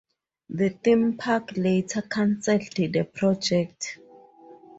The theme park later canceled the project.